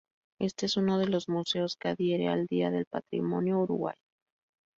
Este es uno de los museos que adhiere al día del Patrimonio uruguayo.